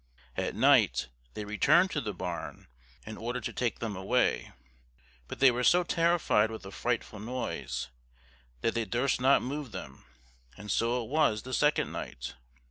At night they returned to the barn, in order to take them away; but they were so terrified with a frightful noise that they durst not move them: and so it was the second night.